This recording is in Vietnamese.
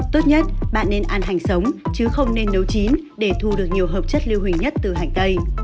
tốt nhất bạn nên an hành sống chứ không nên nấu chín để thu được nhiều hợp chất lưu hủy nhất từ hành tây